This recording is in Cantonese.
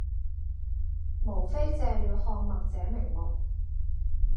無非借了看脈這名目，